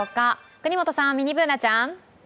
國本さん、ミニＢｏｏｎａちゃん。